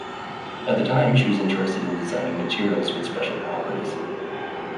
At the time she was interested in designing materials with special properties.